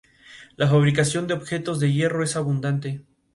Fue el octavo y más grave de los diez bombardeos que sufrió la ciudad.